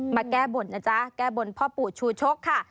แก้บนนะจ๊ะแก้บนพ่อปู่ชูชกค่ะ